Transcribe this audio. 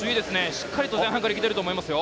しっかり前半からいけてると思いますよ。